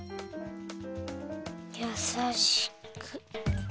やさしく。